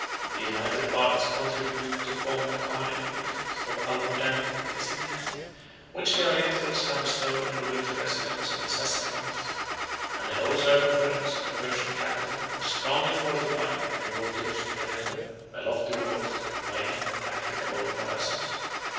The united parts contribute to form the common epithet of Al Modain, the cities, which the Orientals have bestowed on the winter residence of the Sassinadees; and the whole circumference of the Persian capital was strongly fortified by the waters of the river, by lofty walls, and by impracticable morasses.